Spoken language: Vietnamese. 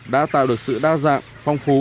đã tạo được sự đa dạng phong phú